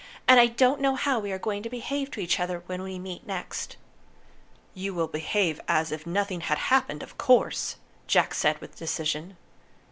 And I don't know how we are going to behave to each other when we meet next." "You will behave as if nothing had happened, of course," Jack said with decision.